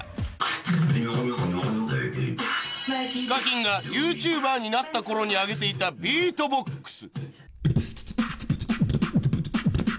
ＨＩＫＡＫＩＮ が ＹｏｕＴｕｂｅｒ になった頃にあげていたビートボックス